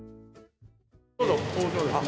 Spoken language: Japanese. どうぞ工場ですね。